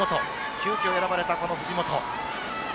急きょ選ばれたこの藤本。